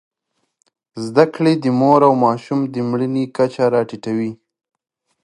زدهکړې د مور او ماشوم د مړینې کچه راټیټوي.